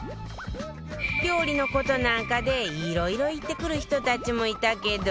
料理の事なんかでいろいろ言ってくる人たちもいたけど